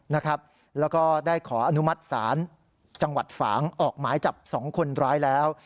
แล้วก็ได้ขออนุมัติศาลจังหวัดฝางออกหมายจับ๒คนร้ายแล้ว